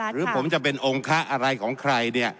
หรือผมจะเป็นองค์คะอะไรของใคร